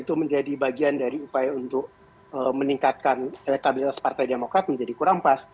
itu menjadi bagian dari upaya untuk meningkatkan elektabilitas partai demokrat menjadi kurang pas